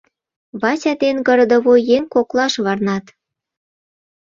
Вася ден городовой еҥ коклаш варнат.